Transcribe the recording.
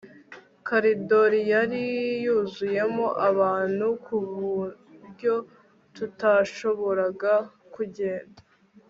koridor yari yuzuyemo abantu ku buryo tutashoboraga kugenda